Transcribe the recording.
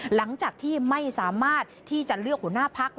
หลังจากที่ไม่สามารถที่จะเลือกหัวหน้าพัก